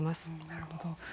なるほど。